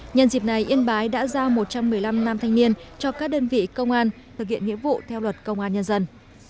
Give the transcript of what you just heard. nhân dịp này yên bái đã giao một trăm một mươi năm nam thanh niên cho các đơn vị công an thực hiện nghĩa vụ theo luật công an nhân dân